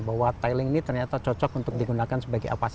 bahwa tiling ini ternyata cocok untuk digunakan sebagai apa saja